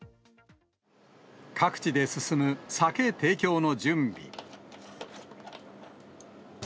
各地で進む酒提供の準備。